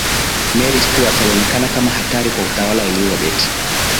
mary stuart alionekana kama hatari kwa utawala wa elizabeth